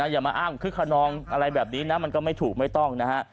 อย่ามาอ้างคึกขนองอะไรแบบนี้นะมันก็ไม่ถูกไม่ต้องนะฮะ